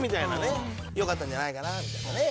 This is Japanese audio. よかったんじゃないかなみたいなね。